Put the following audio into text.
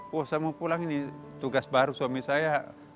wah saya mau pulang ini tugas baru suami saya